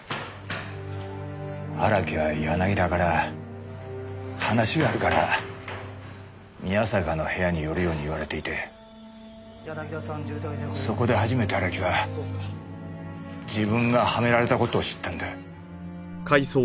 荒木は柳田から話があるから宮坂の部屋に寄るように言われていてそこで初めて荒木は自分がはめられた事を知ったんだ。